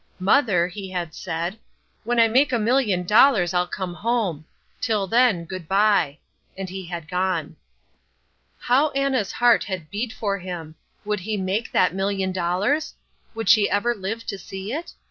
"Mother," he had said, "when I make a million dollars I'll come home. Till then good bye," and he had gone. How Anna's heart had beat for him. Would he make that million dollars? Would she ever live to see it?